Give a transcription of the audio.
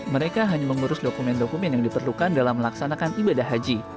mereka hanya mengurus dokumen dokumen yang diperlukan dalam melaksanakan ibadah haji